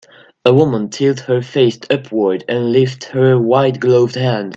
A woman tilts her face upward and lifts her white gloved hand